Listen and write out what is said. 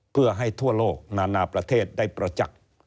เพื่อให้ทั่วโลกนานาประเทศได้ประจักษ์